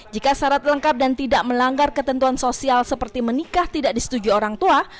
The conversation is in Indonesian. jika syarat lengkap dan tidak melanggar ketentuan sosial seperti menikah tidak disetujui orang tua